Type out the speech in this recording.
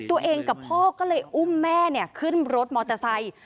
ตัวเองกับพ่อก็เลยอุ้มแม่ขึ้นรถมอเตอร์ไซค์